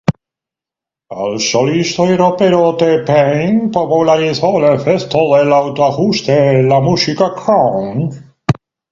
El solista y rapero T-Pain popularizó el efecto del auto-ajuste en la música crunk.